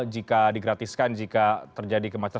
jika digratiskan jika terjadi kemacetan